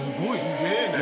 すげえね。